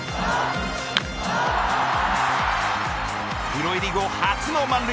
プロ入り後、初の満塁。